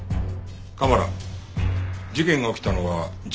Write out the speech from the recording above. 蒲原事件が起きたのは１０年前のいつだ？